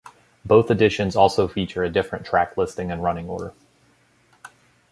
Both editions also feature a different track listing and running order.